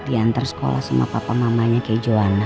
dia ntar sekolah sama papa mamanya kayak johana